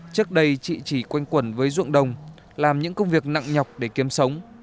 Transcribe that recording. trước đây chị chỉ quanh quẩn với ruộng đồng làm những công việc nặng nhọc để kiếm sống